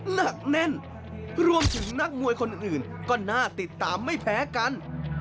หนักแน่นรวมถึงนักมวยคนอื่นก็น่าติดตามไม่แพ้กัน